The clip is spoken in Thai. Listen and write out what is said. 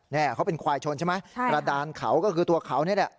นี่เขาเป็นควายชนใช่ไหมกระดานเขาก็คือตัวเขานี่แหละ